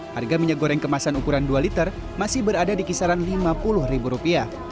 harga minyak goreng kemasan ukuran dua liter masih berada di kisaran rp lima puluh